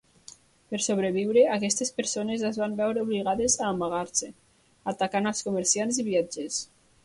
Per sobreviure, aquestes persones es van veure obligades a amagar-se, atacant als comerciants i viatgers.